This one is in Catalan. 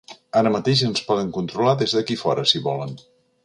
Ara mateix ens poden controlar des d’aquí fora, si volen.